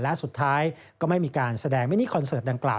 และสุดท้ายก็ไม่มีการแสดงมินิคอนเสิร์ตดังกล่า